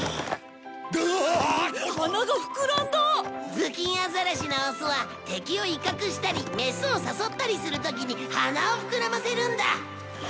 ズキンアザラシのオスは敵を威嚇したりメスを誘ったりする時に鼻を膨らませるんだ！